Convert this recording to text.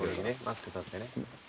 マスク取ってね。